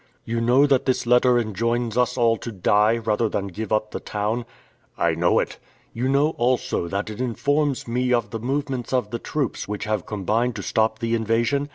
"You know that this letter enjoins us all to die, rather than give up the town?" "I know it." "You know also that it informs me of the movements of the troops which have combined to stop the invasion?"